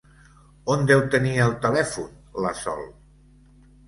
On deu tenir el telèfon, la Sol?